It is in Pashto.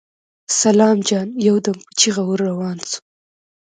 سلام جان يودم په چيغه ور روان شو.